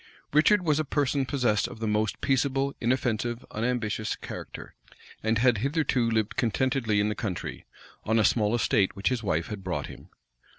Richard was a person possessed of the most peaceable, inoffensive, unambitious character; and had hitherto lived contentedly in the country, on a small estate which his wife had brought him.